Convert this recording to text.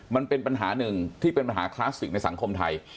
มันเป็นปัญหาหนึ่งที่เป็นปัญหาคลาสสิกในสังคมไทย